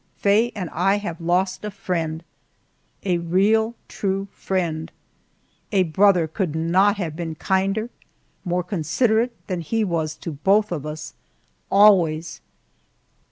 Faye and I have lost a friend a real, true friend. A brother could not have been kinder, more considerate than he was to both of us always.